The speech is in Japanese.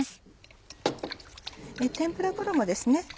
天ぷら衣ですね。